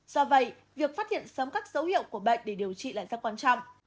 do vậy việc phát hiện sớm các dấu hiệu của bệnh để điều trị là rất quan trọng